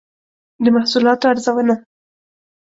د محصولاتو ارزونه